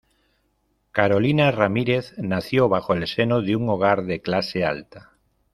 Carolina Ramírez nació bajo el seno de un hogar de clase alta.